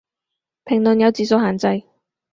評論有字數限制